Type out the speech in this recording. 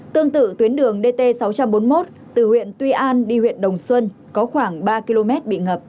tương tự tuyến đường dt sáu trăm bốn mươi một từ huyện tuy an đi huyện đồng xuân có khoảng ba km bị ngập